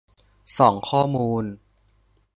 ส่องข้อมูล